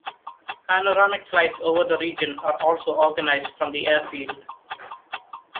Panoramic flights over the region are also organised from the airfield.